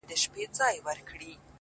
شېرينې ستا د تورو سترگو په کمال کي سته;